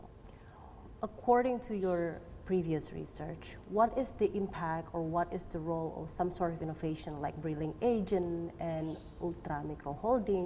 menurut penelitian anda sebelumnya apa adalah impact atau apa adalah peran atau inovasi seperti agent bri dan ultra mikro holding